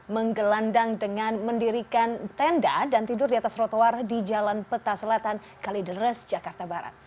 menggelandang dengan mendirikan tenda dan tidur di atas trotoar di jalan peta selatan kalideres jakarta barat